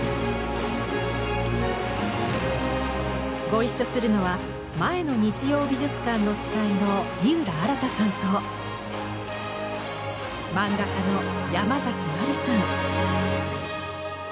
ご一緒するのは前の「日曜美術館」の司会の井浦新さんと漫画家のヤマザキマリさん。